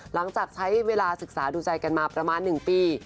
หลังจากใช้เวลาศึกษาดูใจกันมาประมาณ๑ปี